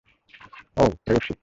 অহ, প্রেয়সী।